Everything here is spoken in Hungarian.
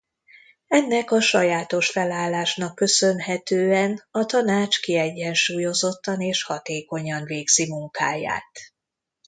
Ennek a sajátos felállásnak köszönhetően a Tanács kiegyensúlyozottan és hatékonyan végzi munkáját.